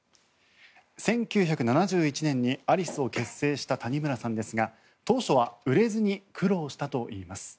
１９７１年にアリスを結成した谷村さんですが当初は売れずに苦労したといいます。